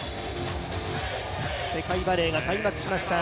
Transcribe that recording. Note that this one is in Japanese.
世界バレーが開幕しました。